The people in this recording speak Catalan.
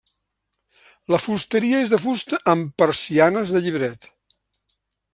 La fusteria és de fusta amb persianes de llibret.